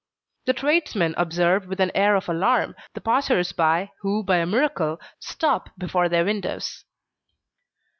The tradesmen observe with an air of alarm, the passers by who by a miracle stop before their windows.